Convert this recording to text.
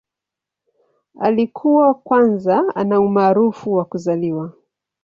Alikuwa kwanza ana umaarufu wa kuzaliwa.